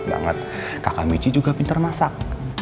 enak banget kakak michi juga pintar masak